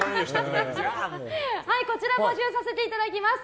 こちら募集させていただきます。